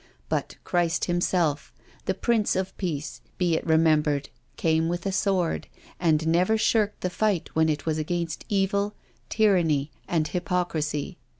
But Christ Himself, the Prince of Peace, be it remembered, c^une with a sword, and never shirked the fight when it was against evil, tyranny and hypoc risy.